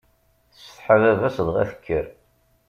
Tsetḥa baba-s, dɣa tekker.